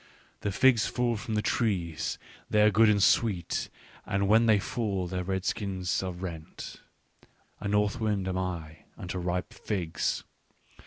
" The figs fall from the trees ; they are good and sweet, and, when they fall, their red skins are rent. " A north wind am I unto ripe figs.